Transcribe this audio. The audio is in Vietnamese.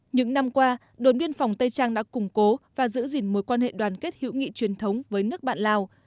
những năm qua đồn biên phòng tây trang đã củng cố và giữ gìn mối quan hệ đoàn kết hữu nghị truyền thống với nước bạn lào